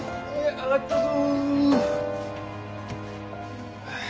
上がったぞ。